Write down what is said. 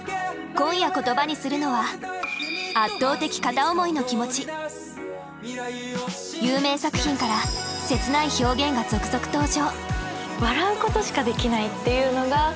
今夜言葉にするのは有名作品から切ない表現が続々登場。